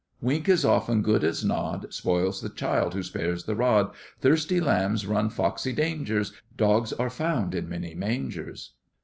Wink is often good as nod; Spoils the child who spares the rod; Thirsty lambs run foxy dangers; Dogs are found in many mangers.